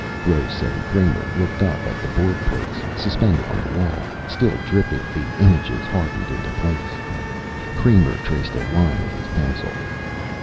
Gross and Kramer looked up at the board plates, suspended on the wall, still dripping, the images hardening into place. Kramer traced a line with his pencil.